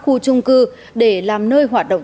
khu trung cư để làm nơi hoạt động